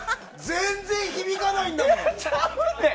全然響かないんだもん。